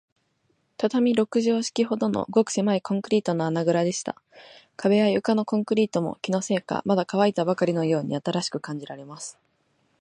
畳六畳敷きほどの、ごくせまいコンクリートの穴ぐらでした。壁や床のコンクリートも、気のせいか、まだかわいたばかりのように新しく感じられます。